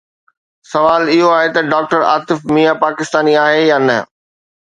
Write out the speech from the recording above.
سوال اهو آهي ته ڊاڪٽر عاطف ميان پاڪستاني آهي يا نه؟